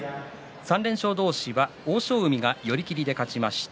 ３連勝同士は欧勝海が寄り切りで勝ちました。